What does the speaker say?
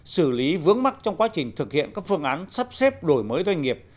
xử lý vướng mắc trong quá trình thực hiện các phương án sắp xếp đổi mới doanh nghiệp